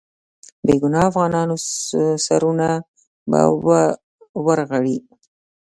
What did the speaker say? بې ګناه افغانانو سرونه به ورغړي.